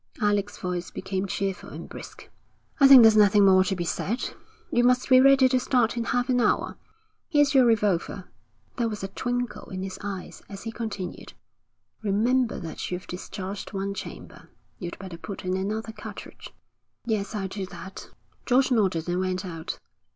Alec's voice became cheerful and brisk. 'I think there's nothing more to be said. You must be ready to start in half an hour. Here's your revolver.' There was a twinkle in his eyes as he continued: 'Remember that you've discharged one chamber. You'd better put in another cartridge.' 'Yes, I'll do that.' George nodded and went out.